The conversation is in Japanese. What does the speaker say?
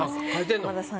浜田さん